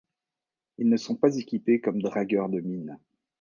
Ils ne sont pas équipés comme dragueur de mines.